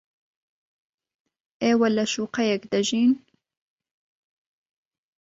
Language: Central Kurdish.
ئێوە لە شوقەیەک دەژین.